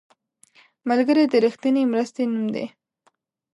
ملګری د رښتینې مرستې نوم دی